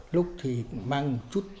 lúc thì mang một chút